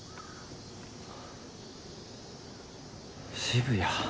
「渋谷」？